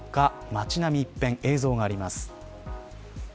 街並み一変映像があります。